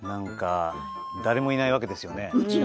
誰もいないわけですよね。